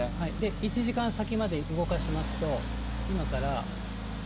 １時間先まで動かしますと、今から。